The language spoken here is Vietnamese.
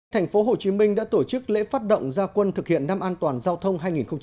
thành phố hồ chí minh đã tổ chức lễ phát động gia quân thực hiện năm an toàn giao thông hai nghìn một mươi tám